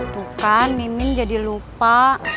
tuh kan mimin jadi lupa